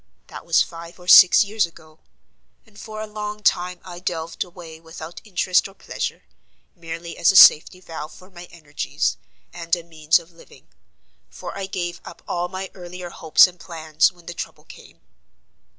That was five or six years ago: and for a long time I delved away without interest or pleasure, merely as a safety valve for my energies, and a means of living; for I gave up all my earlier hopes and plans when the trouble came.